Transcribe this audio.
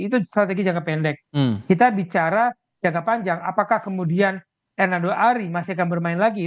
itu strategi jangka pendek kita bicara jangka panjang apakah kemudian ernando ari masih akan bermain lagi